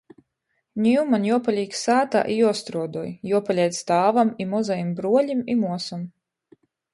Niu maņ juopalīk sātā i juostruodoj, juopaleidz tāvam i mozajim bruolim i muosom.